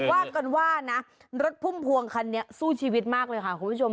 ว่ากันว่านะรถพุ่มพวงคันนี้สู้ชีวิตมากเลยค่ะคุณผู้ชม